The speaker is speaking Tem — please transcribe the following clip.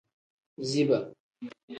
Ziba.